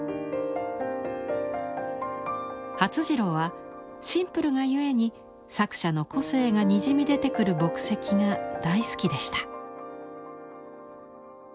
發次郎はシンプルがゆえに作者の個性がにじみ出てくる墨跡が大好きでした。